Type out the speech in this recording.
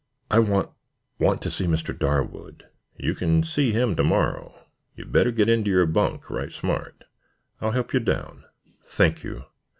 "I want want to see Mr. Darwood." "You can see him to morrow. You'd better get into your bunk right smart. I'll help you down." "Thank you.